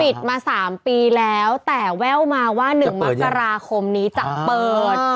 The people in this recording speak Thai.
ปิดมา๓ปีแล้วแต่แววมาว่า๑มกราคมนี้จะเปิด